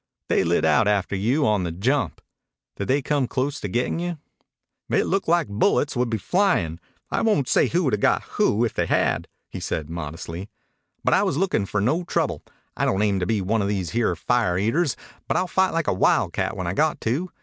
They lit out after you on the jump. Did they come close to getting you?" "It looked like bullets would be flyin'. I won't say who would 'a' got who if they had," he said modestly. "But I wasn't lookin' for no trouble. I don't aim to be one of these here fire eaters, but I'll fight like a wildcat when I got to."